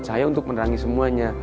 saya untuk menerangi semuanya